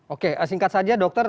oke singkat saja dokter